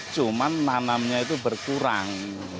cuman nanamnya itu berkurang